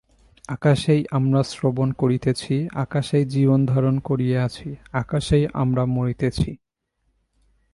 আকাশেই আমরা শ্রবণ করিতেছি, আকাশেই জীবনধারণ করিয়া আছি, আকাশেই আমরা মরিতেছি।